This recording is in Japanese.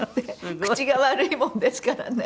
口が悪いものですからね